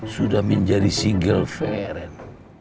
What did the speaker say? sudah menjadi si girl feren